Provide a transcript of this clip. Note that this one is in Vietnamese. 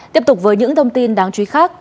tiếp tục với những thông tin đáng chú ý khác